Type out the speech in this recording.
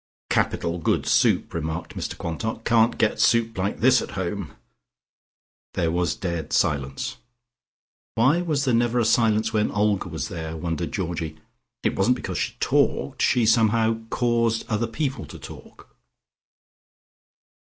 "Capital good soup," remarked Mr Quantock. "Can't get soup like this at home." There was dead silence. Why was there never a silence when Olga was there, wondered Georgie. It wasn't because she talked, she somehow caused other people to talk.